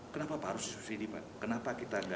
kenapa harus disubsidi pak